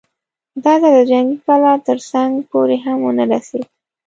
دا ځل د جنګي کلا تر څنډو پورې هم ونه رسېد.